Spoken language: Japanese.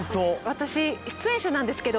私。